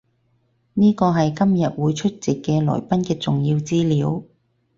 呢個係今日會出席嘅來賓嘅重要資料